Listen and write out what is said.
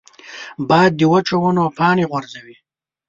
باد د وچو ونو پاڼې غورځوي